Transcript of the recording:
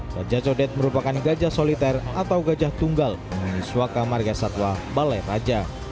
gajah codet merupakan gajah soliter atau gajah tunggal di suwaka mariasatwa balai raja